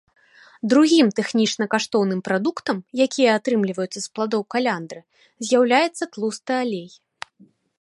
Другім тэхнічна каштоўным прадуктам, якія атрымліваюцца з пладоў каляндры, з'яўляецца тлусты алей.